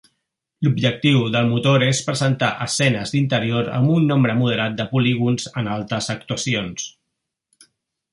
L'objectiu del motor és presentar escenes d'interior amb un nombre moderat de polígons en altes actuacions.